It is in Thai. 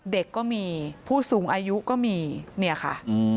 เด็กก็มีผู้สูงอายุก็มีเนี่ยค่ะ